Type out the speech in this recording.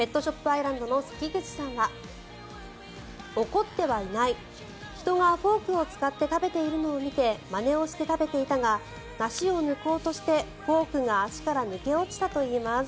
アイランドの関口さんは怒ってはいない人がフォークを使って食べているのを見てまねをして食べていたが梨を抜こうとしてフォークが足から抜け落ちたといいます。